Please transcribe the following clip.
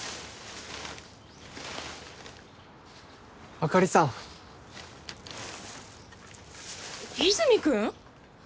あかりさん和泉君？